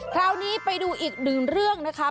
คราวนี้ไปดูอีกหนึ่งเรื่องนะคะ